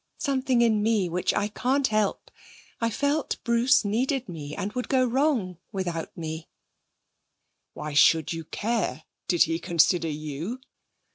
Something in me, which I can't help. I felt Bruce needed me and would go wrong without me ' 'Why should you care? Did he consider you?'